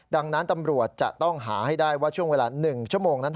ดังนั้นตำรวจจะต้องหาให้ได้ว่าช่วงเวลา๑ชั่วโมงนั้น